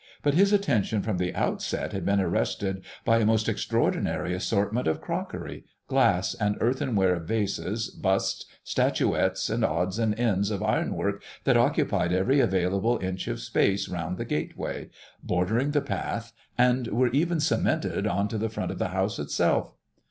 But his attention from the outset had been arrested by a most extraordinary assortment of crockery, glass and earthenware vases, busts, statuettes, and odds and ends of ironwork that occupied every available inch of space round the gateway, bordering the path, and were even cemented on to the front of the house itself.